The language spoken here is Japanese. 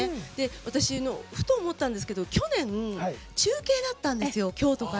私、ふと思ったんですけど去年、中継だったんです京都から。